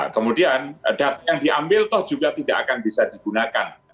kemudian data yang diambil toh juga tidak akan bisa digunakan